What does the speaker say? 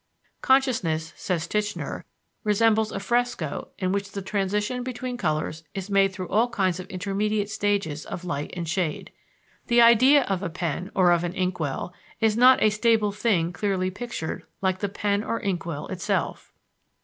Consciousness, says Titchener, resembles a fresco in which the transition between colors is made through all kinds of intermediate stages of light and shade.... The idea of a pen or of an inkwell is not a stable thing clearly pictured like the pen or inkwell itself.